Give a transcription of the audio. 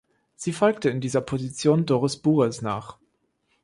Sie folgte in dieser Position Doris Bures nach.